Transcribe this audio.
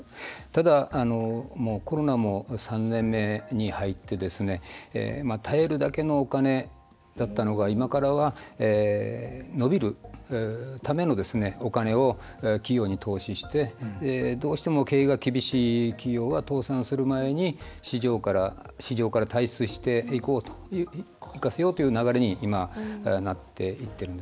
ただ、コロナも３年目に入って耐えるだけのお金だったのが今からは伸びるためのお金を企業に投資してどうしても経営が厳しい企業は倒産する前に市場から退出していかせようという流れに今なっていってるんですね。